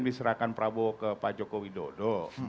jadi diserahkan prabowo ke pak jokowi dodo